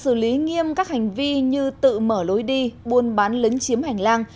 xử lý nghiêm các hành vi như tự mở lối đi buôn bán lấn chiếm hành lang